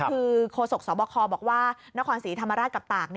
คือโคศกสบคบอกว่านครศรีธรรมราชกับตาก